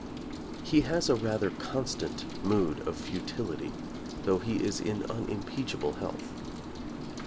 He has a rather constant mood of futility, though he is in unimpeachable health.